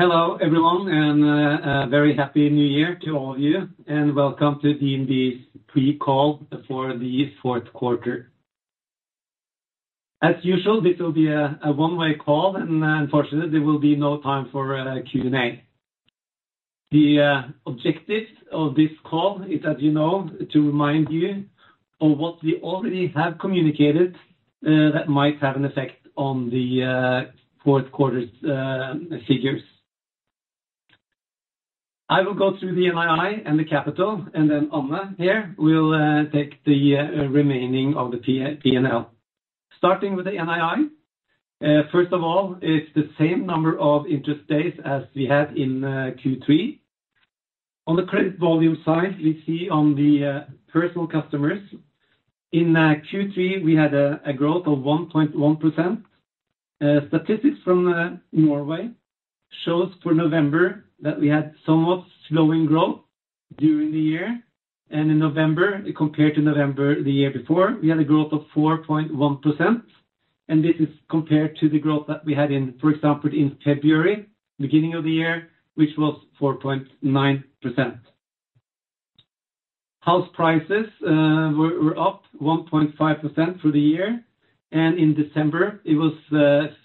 Hello everyone, very happy new year to all of you, and welcome to DNB pre-call for the fourth quarter. As usual, this will be a one-way call, unfortunately there will be no time for Q&A. The objective of this call is, as you know, to remind you on what we already have communicated that might have an effect on the fourth quarter's figures. I will go through the NII and the capital, Anna here will take the remaining of the P&L. Starting with the NII. First of all, it's the same number of interest days as we had in Q3. On the credit volume side, we see on the personal customers. In Q3, we had a growth of 1.1%. Statistics from Norway shows for November that we had somewhat slowing growth during the year. In November, compared to November the year before, we had a growth of 4.1%. This is compared to the growth that we had in, for example, in February, beginning of the year, which was 4.9%. House prices were up 1.5% for the year, and in December it was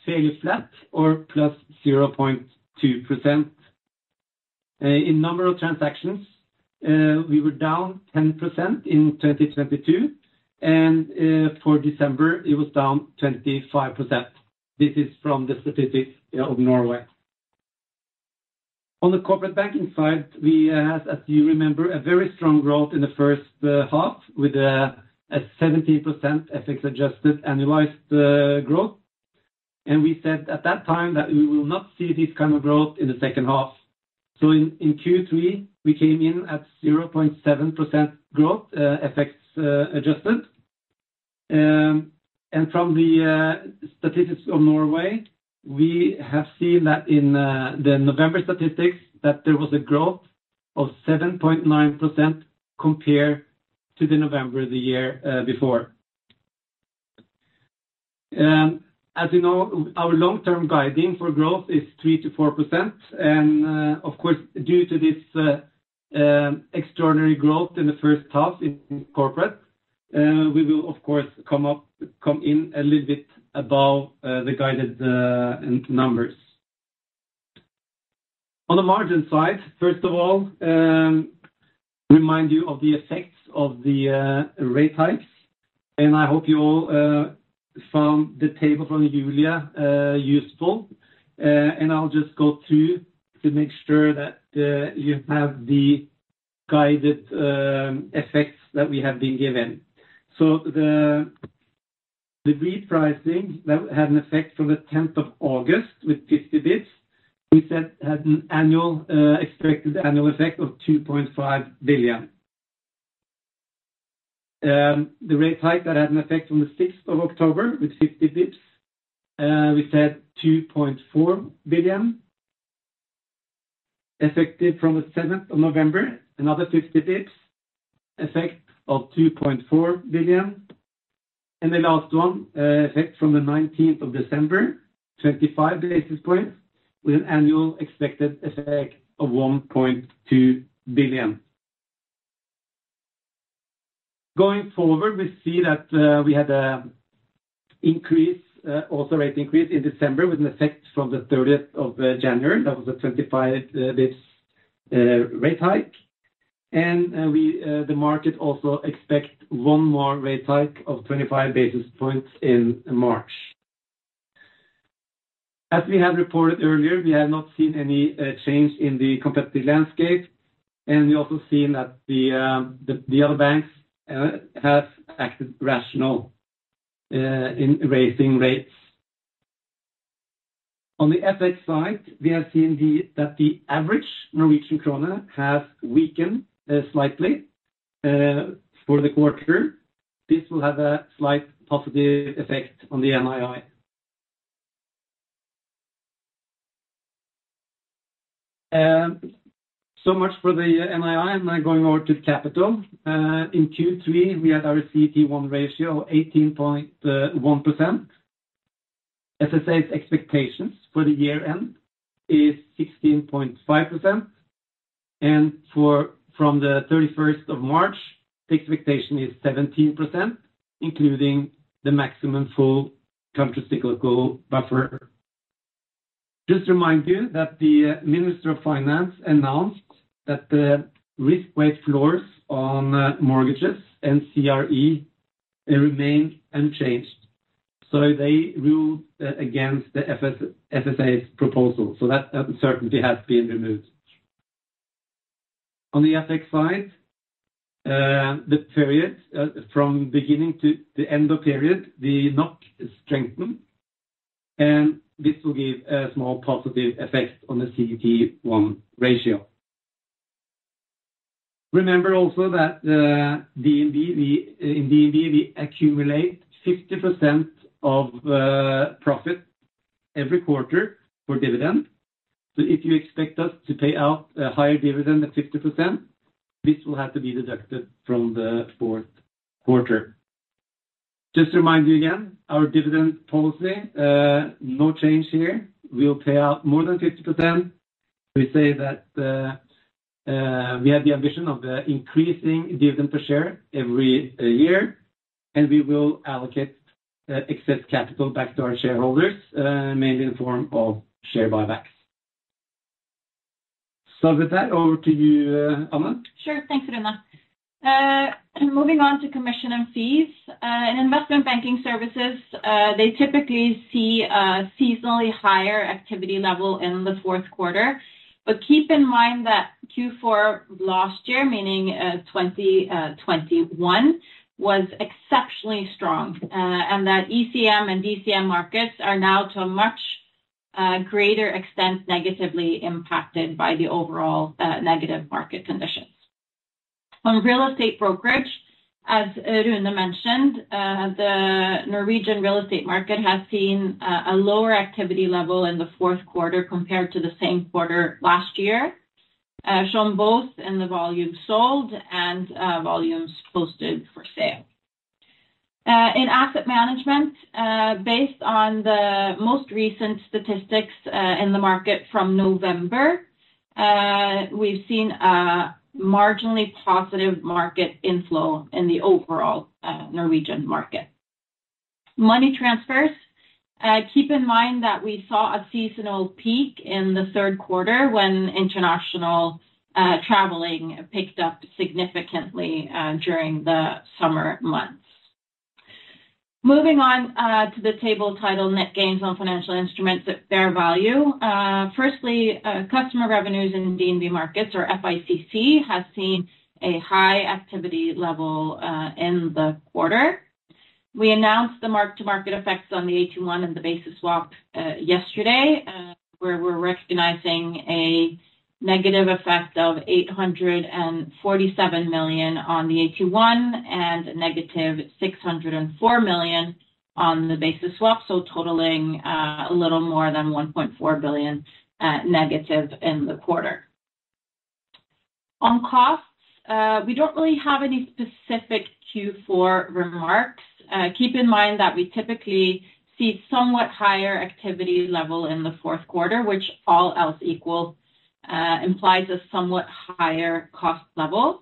fairly flat or plus 0.2%. In number of transactions, we were down 10% in 2022. For December it was down 25%. This is from the statistics, yeah, of Norway. On the corporate banking side, we had, as you remember, a very strong growth in the first half with a 17% FX adjusted annualized growth. We said at that time that we will not see this kind of growth in the second half. In Q3, we came in at 0.7% growth, FX adjusted. From the statistics of Norway, we have seen that in the November statistics that there was a growth of 7.9% compared to the November the year before. As you know, our long-term guiding for growth is 3%-4%. Of course, due to this extraordinary growth in the first half in corporate, we will of course come in a little bit above the guided numbers. On the margin side, first of all, remind you of the effects of the rate hikes, and I hope you all from the table from Julia useful. I'll just go through to make sure that you have the guided effects that we have been given. The re-pricing that had an effect from the 10th of August with 50 bps, we said had an expected annual effect of 2.5 billion. The rate hike that had an effect from the 6th of October with 50 bps, we said NOK 2.4 billion. Effective from the 7th of November, another 50 bps, effect of 2.4 billion. The last one, effect from the 19th of December, 25 basis points with an annual expected effect of 1.2 billion. Going forward, we see that we had a increase, also rate increase in December with an effect from the 30th of January. That was a 25 bps rate hike. We the market also expect one more rate hike of 25 basis points in March. As we have reported earlier, we have not seen any change in the competitive landscape, and we also seen that the other banks have acted rational in raising rates. On the FX side, we have seen that the average Norwegian krone has weakened slightly for the quarter. This will have a slight positive effect on the NII. So much for the NII. Now going over to capital. In Q3, we had our CET1 ratio 18.1%. FSA's expectations for the year end is 16.5%. From the 31st of March, the expectation is 17%, including the maximum full countercyclical buffer. Just to remind you that the Minister of Finance announced that the risk weight floors on mortgages and CRE remain unchanged. They ruled against the FSA's proposal, that uncertainty has been removed. On the FX side, the period from beginning to the end of period, the NOK strengthened, and this will give a small positive effect on the CET1 ratio. Remember also that DNB, in DNB, we accumulate 50% of profit every quarter for dividend. If you expect us to pay out a higher dividend than 50%, this will have to be deducted from the fourth quarter. Just to remind you again, our dividend policy, no change here. We'll pay out more than 50%. We say that we have the ambition of increasing dividend per share every year, and we will allocate excess capital back to our shareholders, mainly in form of share buybacks. With that, over to you, Anna. Sure. Thanks, Rune. Moving on to commission and fees. In investment banking services, they typically see a seasonally higher activity level in the fourth quarter. Keep in mind that Q4 last year, meaning, 2021 was exceptionally strong, and that ECM and DCM markets are now to a much greater extent negatively impacted by the overall negative market conditions. On real estate brokerage, as Rune mentioned, the Norwegian real estate market has seen a lower activity level in the fourth quarter compared to the same quarter last year, shown both in the volume sold and volumes posted for sale. In asset management, based on the most recent statistics, in the market from November, we've seen a marginally positive market inflow in the overall Norwegian market. Money transfers. Keep in mind that we saw a seasonal peak in the third quarter when international traveling picked up significantly during the summer months. Moving on to the table titled Net gains on financial instruments at fair value. Firstly, customer revenues in DNB Markets or FICC, has seen a high activity level in the quarter. We announced the mark-to-market effects on the AT1 and the basis swap yesterday, where we're recognizing a negative effect of 847 million on the AT1 and negative 604 million on the basis swap, totaling a little more than 1.4 billion negative in the quarter. On costs, we don't really have any specific Q4 remarks. Keep in mind that we typically see somewhat higher activity level in the fourth quarter, which all else equal, implies a somewhat higher cost level.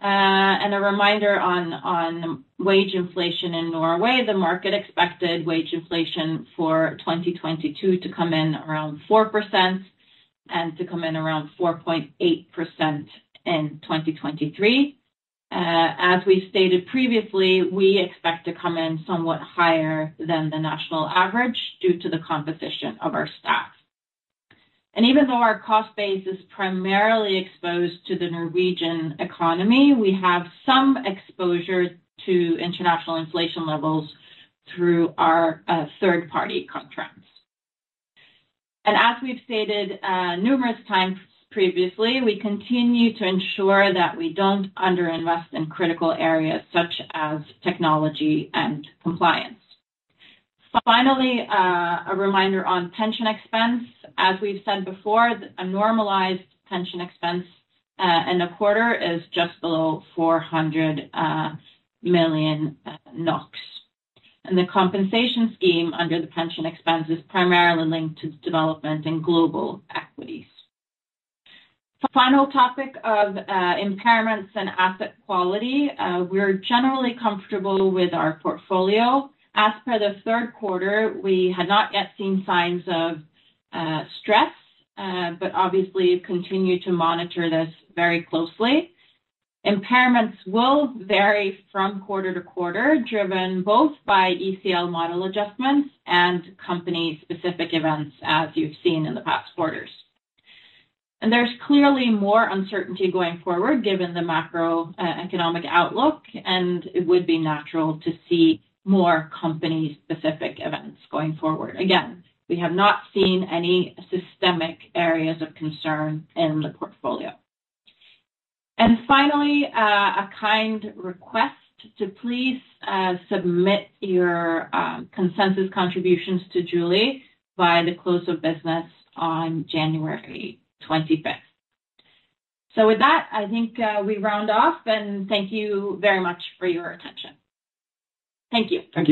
A reminder on wage inflation in Norway, the market expected wage inflation for 2022 to come in around 4% and to come in around 4.8% in 2023. As we stated previously, we expect to come in somewhat higher than the national average due to the composition of our staff. Even though our cost base is primarily exposed to the Norwegian economy, we have some exposure to international inflation levels through our third-party contracts. As we've stated, numerous times previously, we continue to ensure that we don't under-invest in critical areas such as technology and compliance. Finally, a reminder on pension expense. As we've said before, a normalized pension expense, in a quarter is just below 400 million NOK. The compensation scheme under the pension expense is primarily linked to development in global equities. Final topic of impairments and asset quality. We're generally comfortable with our portfolio. As per the third quarter, we had not yet seen signs of stress, but obviously continue to monitor this very closely. Impairments will vary from quarter to quarter, driven both by ECL model adjustments and company-specific events, as you've seen in the past quarters. There's clearly more uncertainty going forward given the macroeconomic outlook, and it would be natural to see more company-specific events going forward. Again, we have not seen any systemic areas of concern in the portfolio. Finally, a kind request to please submit your consensus contributions to Julie by the close of business on January 25th. With that, I think, we round off and thank you very much for your attention. Thank you. Thank you.